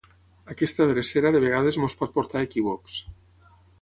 aquesta drecera de vegades ens pot portar a equívocs